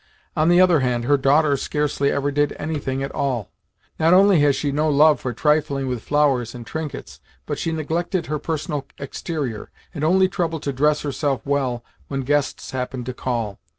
On the other hand, her daughter scarcely ever did anything at all. Not only had she no love for trifling with flowers and trinkets, but she neglected her personal exterior, and only troubled to dress herself well when guests happened to call.